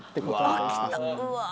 飽きたうわ。